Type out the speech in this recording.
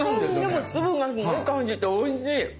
でも粒がすごい感じておいしい！